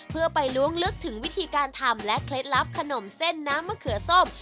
เพื่อไปล้วงลึกถึงวิธีการทำและเคล็ดลับขนมเส้นน้ำมะเขือส้ม